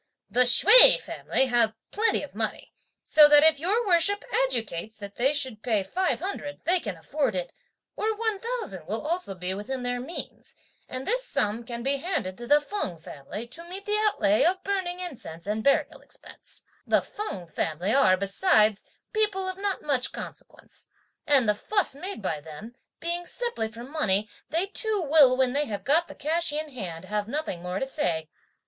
"The Hsüeh family have plenty of money, so that if your Worship adjudicates that they should pay five hundred, they can afford it, or one thousand will also be within their means; and this sum can be handed to the Feng family to meet the outlay of burning incense and burial expenses. The Feng family are, besides, people of not much consequence, and (the fuss made by them) being simply for money, they too will, when they have got the cash in hand, have nothing more to say.